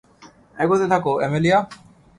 এগোতে থাকো, অ্যামেলিয়া।